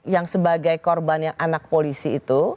yg sebagai korbannya anak polisi itu